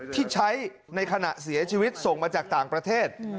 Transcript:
ที่ใช้ในขณะเสียชีวิตส่งมาจากต่างประเทศ